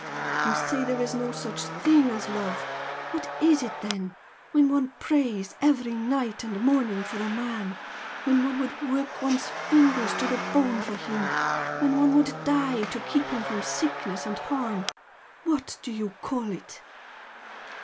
You say there is no such thing as love! What is it then, when one prays every night and morning for a man? when one would work one's fingers to the bone for him? when one would die to keep him from sickness and harm? What do you call it?"